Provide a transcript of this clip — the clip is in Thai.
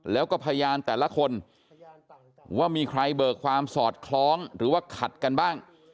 แล้วก็พยานแต่ละคนว่ามีใครเบิกความสอดคล้องหรือว่าขัดกันบ้าง